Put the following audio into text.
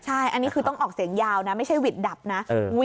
ใช่อันนี้คือต้องออกเสียงยาวนะไม่ใช่หวิดดับนะ